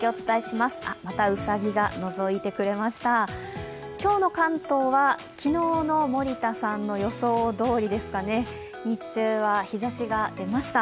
また、うさぎがのぞいてくれました今日の関東は、昨日の森田さんの予想どおりですかね、日中は日ざしが出ました。